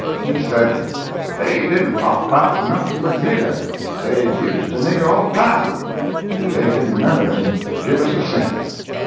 He said, "Dey didn't talk 'bout nuffin but nigger—dey 'bused de nigger all de time—but dey didn't none of 'em give us a cent!"